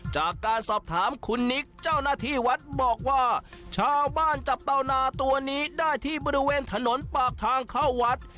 จากการสอบถามคุณนิกเจ้าหน้าที่วัดบอกว่าชาวบ้านจับเต้านาตัวนี้ได้ที่บริเวณถนนปากทางเข้าวัด